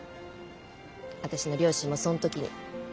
私の両親もそん時に。